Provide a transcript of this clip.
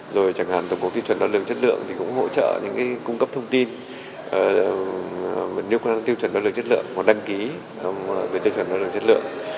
rồi chẳng hạn tổng cục tiêu chuẩn đoàn lượng chất lượng cũng hỗ trợ những cung cấp thông tin nếu có tiêu chuẩn đoàn lượng chất lượng hoặc đăng ký về tiêu chuẩn đoàn lượng chất lượng